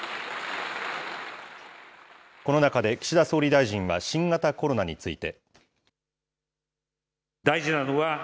この中で岸田総理大臣は新型コロナについて。